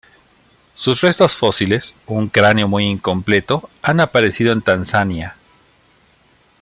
Sus restos fósiles, un cráneo muy incompleto, han aparecido en Tanzania.